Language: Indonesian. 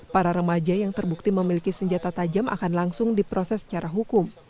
para remaja yang terbukti memiliki senjata tajam akan langsung diproses secara hukum